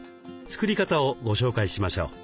作り方をご紹介しましょう。